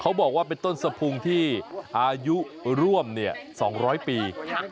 บอกว่าเป็นต้นสะพุงที่อายุร่วม๒๐๐ปี